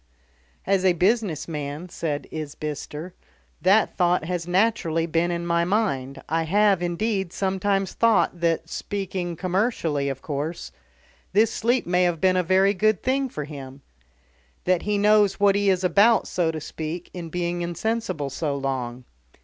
"As a business man," said Isbister, "that thought has naturally been in my mind. I have, indeed, sometimes thought that, speaking commercially, of course, this sleep may be a very good thing for him. That he knows what he is about, so to speak, in being insensible so long.